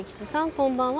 こんばんは。